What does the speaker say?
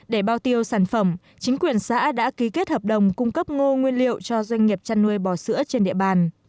để bao tiêu sản phẩm chính quyền xã đã ký kết hợp đồng cung cấp ngô nguyên liệu cho doanh nghiệp chăn nuôi bò sữa trên địa bàn